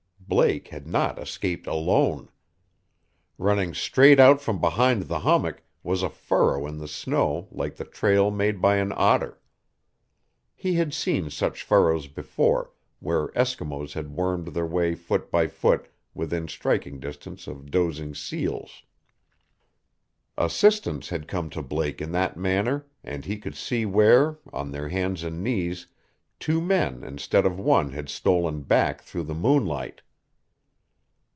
Blake had not escaped alone. Running straight out from behind the hummock was a furrow in the snow like the trail made by an otter. He had seen such furrows before, where Eskimos had wormed their way foot by foot within striking distance of dozing seals. Assistance had come to Blake in that manner, and he could see where on their hands and knees two men instead of one had stolen back through the moonlight.